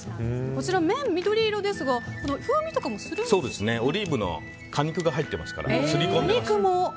こちら、麺が緑色ですがオリーブの果肉が入っていますから刷り込んでます。